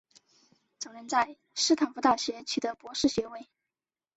早年在斯坦福大学取得博士学位。